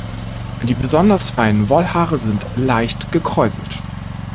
Die besonders feinen Wollhaare sind leicht gekräuselt.